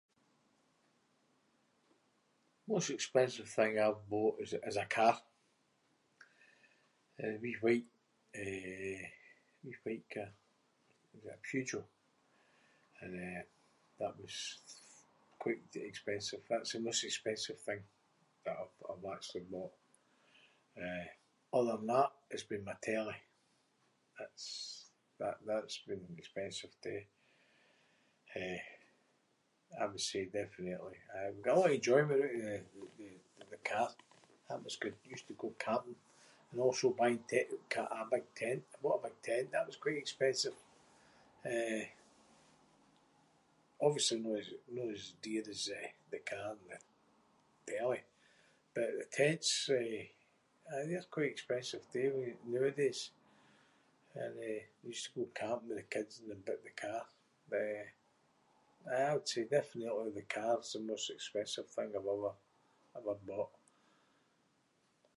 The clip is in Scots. Most expensive thing I’ve bought is a- is a car. Eh, a wee white, eh- wee white car. Was it a Peugeot? And, eh, that was quite expensive. That’s the most expensive thing that I- I’ve actually bought. Eh, other than that it’s been my telly. It’s- that- that’s been expensive too. Eh, I would say definitely, aye- I got a lot of enjoyment oot of th- the- the car. That was good. Used to go camping and also buy tent- ca- a big tent. I bought a big tent. That was quite expensive. Eh, obviously no as- no as dear as the- the car or the telly. But the tents, eh- aye they’re quite expensive too w- nooadays. And, eh, we used to go camping with the kids in the b- the car. Eh, aye, I would say definitely the car’s the most expensive thing I’ve ever- ever bought.